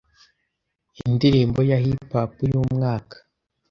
Indirimbo ya hip hop y’umwaka